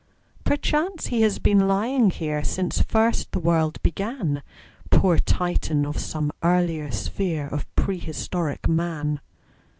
Perchance he has been lying here Since first the world began, Poor Titan of some earlier sphere Of prehistoric Man!